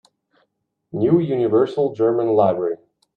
New Universal German Library